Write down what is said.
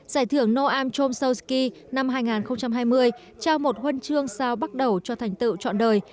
giải thưởng noam chom seoutsky năm hai nghìn hai mươi trao một huân chương sao bắt đầu cho thành tựu trọn đời